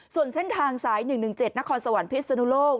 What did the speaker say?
ส่วนเส้นทางสาย๑๑๗นครสวรรคพิศนุโลก